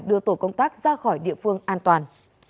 đưa tổ công tác ra khỏi địa phương an toàn